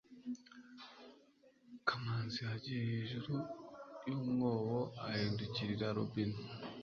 kamanzi yagiye hejuru yumwobo ahindukirira robine